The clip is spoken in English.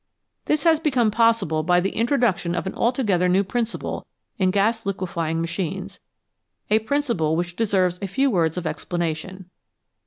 This has become possible by the introduction of an altogether new principle in gas liquefying machines a principle which deserves a few words of explanation.